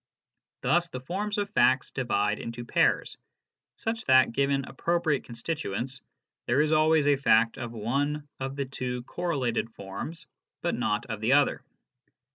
Thus the forms of facts divide into pairs, such that, given appropriate constituents, there is always a fact of one of the two correlated forms but not of the other.